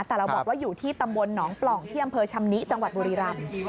แต่เราบอกว่าอยู่ที่ตำบลหนองปล่องที่อำเภอชำนิจังหวัดบุรีรำ